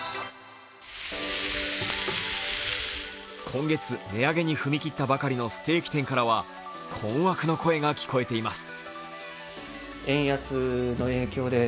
今月、値上げに踏み切ったばかりのステーキ店からは困惑の声が聞こえてきます。